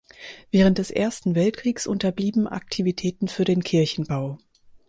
Während des Ersten Weltkriegs unterblieben Aktivitäten für den Kirchenbau.